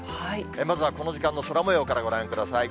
まずは、この時間の空もようからご覧ください。